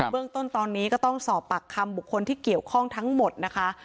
เรื่องต้นตอนนี้ก็ต้องสอบปากคำบุคคลที่เกี่ยวข้องทั้งหมดนะคะ